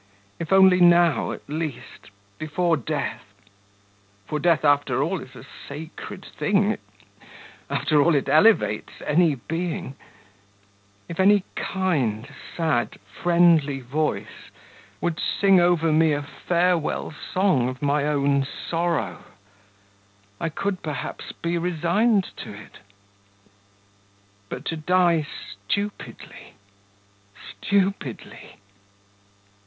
If only now, at least, before death for death after all is a sacred thing, after all it elevates any being if any kind, sad, friendly voice would sing over me a farewell song of my own sorrow, I could, perhaps, be resigned to it. But to die stupidly, stupidly....